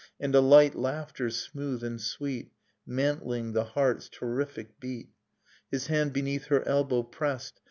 And a light laughter, smooth and sweet. Mantling the heart's terrific beat. His hand beneath her elbow pressed.